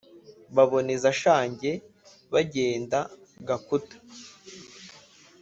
Baboneza Shange, bagenda Gakuta,